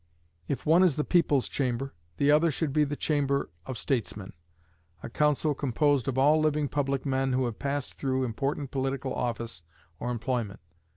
If one is the People's Chamber, the other should be the Chamber of Statesmen a council composed of all living public men who have passed through important political office or employment.